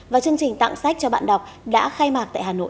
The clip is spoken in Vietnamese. và chương trình tặng sách cho bạn đọc đã khai mạc tại hà nội